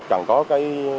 chẳng có cái